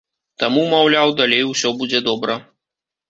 Таму, маўляў, далей усё будзе добра.